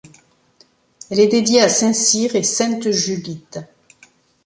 Elle est dédiée à saint Cyr et sainte Julitte.